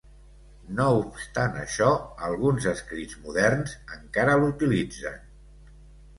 No obstant això, alguns escrits moderns encara l'utilitzen.